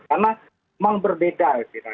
karena memang berbeda ya fira